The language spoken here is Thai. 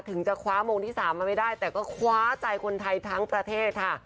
ถึงจะคว้ามงที่๓มาไม่ได้แต่ก็คว้าใจคนไทยทั้งประเทศค่ะ